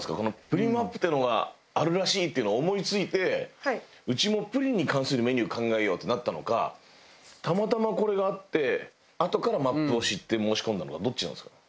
『プリンマップ』っていうのがあるらしいっていうのを思い付いてうちもプリンに関するメニュー考えようってなったのかたまたまこれがあってあとからマップを知って申し込んだのかどっちなんですか？